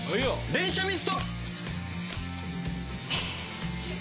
連射ミスト！